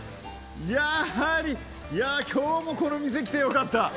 やはりいやぁ今日もこの店来てよかった。